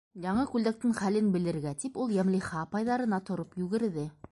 Яңы күлдәктең хәлен белергә тип, ул Йәмлиха апайҙарына тороп йүгерҙе.